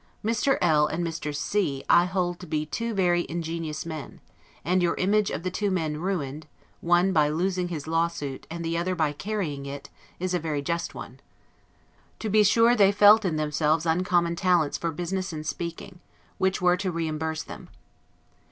Mr. L and Mr. C I hold to be two very ingenious men; and your image of the two men ruined, one by losing his law suit, and the other by carrying it, is a very just one. To be sure, they felt in themselves uncommon talents for business and speaking, which were to reimburse them.